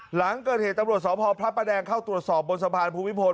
หลังเกิดเหตุตำรวจสพพระประแดงเข้าตรวจสอบบนสะพานภูมิพล